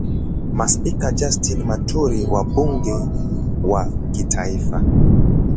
Maspika Justine Muturi wa bunge la kitaifa